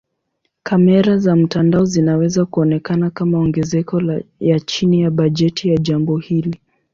Kamera za mtandao zinaweza kuonekana kama ongezeko ya chini ya bajeti ya jambo hili.